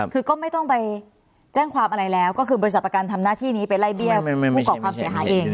คือก็ไม่ต้องไปแจ้งความอะไรแล้วก็คือบริษัทประกันทำหน้าที่นี้ไปไล่เบี้ยผู้ก่อความเสียหายเอง